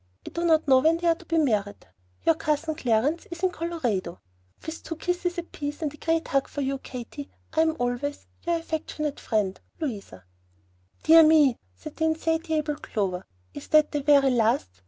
I do not know when they are to be married. Your Cousin Clarence is in Colorado. With two kisses apiece and a great hug for you, Katy, I am always Your affectionate friend, LOUISA. "Dear me!" said the insatiable Clover, "is that the very last?